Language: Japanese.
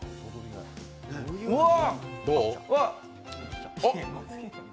うわっ！